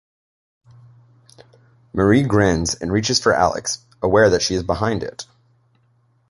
Marie grins and reaches for Alex, aware that she is behind it.